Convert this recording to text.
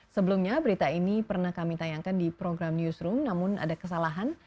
sebelumnya berita ini pernah kami tayangkan di program newsroom namun ada kesalahan